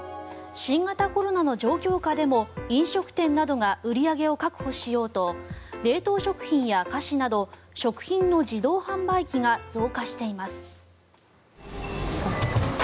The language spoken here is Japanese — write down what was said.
新型コロナの状況下でも飲食店などが売り上げを確保しようと冷凍食品や菓子など食品の自動販売機が増加しています。